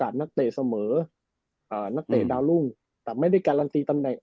นักเตะเสมออ่านักเตะดาวรุ่งแต่ไม่ได้การันตีตำแหน่ง